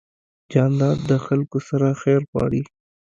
جانداد د خلکو سره خیر غواړي.